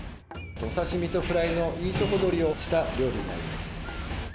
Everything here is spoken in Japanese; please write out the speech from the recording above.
お刺身とフライのいいとこどりをした料理になります。